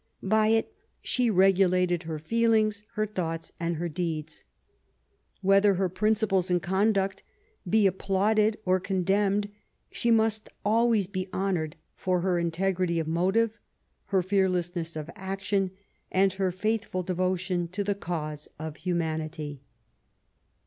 By it she regulated her feelings, her thoughts, and her deeds. Whether her principles and conduct be applauded or condemned, she must always be honoured for her integrity of motive, her fearlessness of action, and her faithful devotion to the cause of humanity.